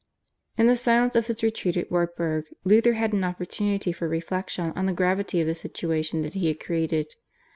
In the silence of his retreat at Wartburg Luther had an opportunity for reflection on the gravity of the situation that he had created.